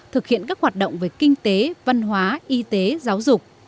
thực hiện các hoạt động về kinh tế văn hóa y tế giáo dục